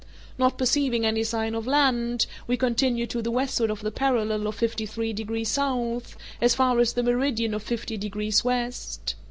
Not perceiving any sign of land, we continued to the westward of the parallel of fifty three degrees south, as far as the meridian of fifty degrees west.